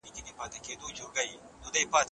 همدا کنډوالې د نوي ژوند بنسټ سي